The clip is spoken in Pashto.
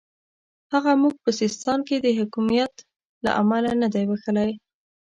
هغه موږ په سیستان کې د حکمیت له امله نه دی بخښلی.